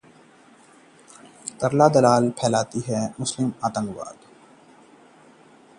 दुनिया की अर्थव्यवस्था को पटरी पर लाने के लिए दावोस में चल रहा मंथन